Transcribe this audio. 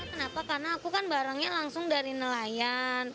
kenapa karena aku kan barangnya langsung dari nelayan